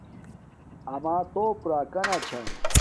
اما توپ راکنہ چھا